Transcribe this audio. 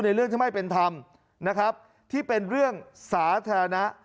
เรื่องที่ไม่เป็นธรรมนะครับที่เป็นเรื่องสาธารณะ